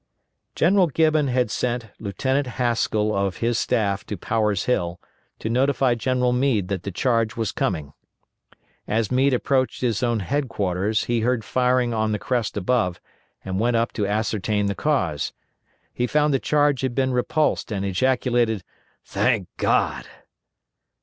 General Gibbon had sent Lieutenant Haskell of his staff to Power's Hill to notify General Meade that the charge was coming. As Meade approached his old headquarters he heard firing on the crest above, and went up to ascertain the cause. He found the charge had been repulsed and ejaculated "Thank God!"